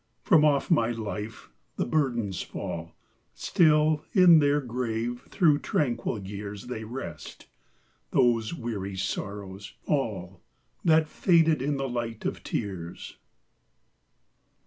From off my life the burdens fall : Still in their grave through tranquil years They rest, those weary sorrows, all, That faded in the light of tears.